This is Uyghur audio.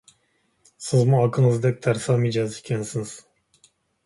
سىزمۇ ئاكىڭىزدەك تەرسا مىجەزكەنسىز!